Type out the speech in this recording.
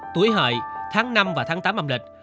tuổi hợi tháng năm và tháng tám âm lịch